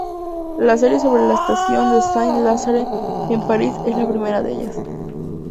La serie sobre la estación de Saint-Lazare en París es la primera de ellas.